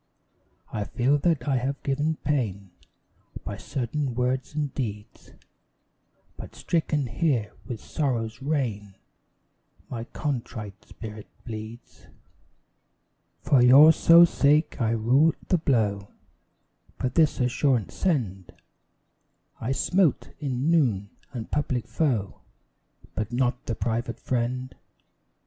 I feel that I have given pain By certain words and deeds, But stricken here with Sorrow's rain, My contrite spirit bleeds. For your sole sake I rue the blow, But this assurance send: I smote, in noon, the public foe, But not the private friend.